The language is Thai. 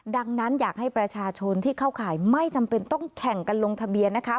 ดังนั้นอยากให้ประชาชนที่เข้าข่ายไม่จำเป็นต้องแข่งกันลงทะเบียนนะคะ